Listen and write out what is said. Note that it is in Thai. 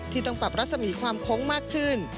ต้องปรับรัศมีความโค้งมากขึ้น